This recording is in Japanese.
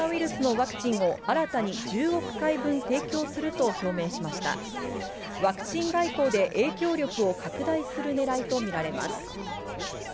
ワクチン外交で影響力を拡大するねらいと見られます。